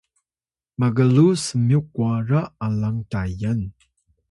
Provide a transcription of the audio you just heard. mgluw smyuk kwara alang tayan